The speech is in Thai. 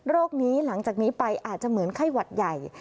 นี้หลังจากนี้ไปอาจจะเหมือนไข้หวัดใหญ่